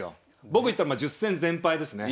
僕いったらまあ１０戦全敗ですね。